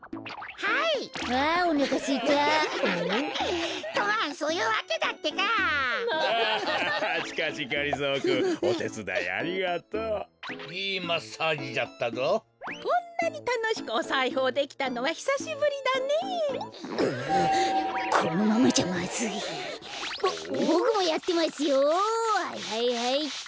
はいはいはいっと。